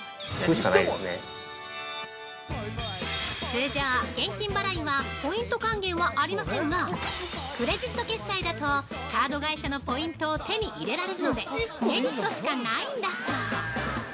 ◆通常、現金払いはポイント還元はありませんがクレジット決済だとカード会社のポイントを手に入れられるのでメリットしかないんだそう！